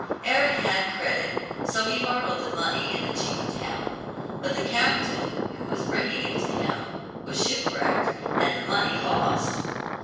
Eric had credit, so he borrowed the money in the chief town. But the captain, who was bringing it to him, was shipwrecked, and the money lost.